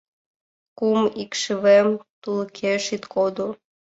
Кум икшывем тулыкеш ит кодо...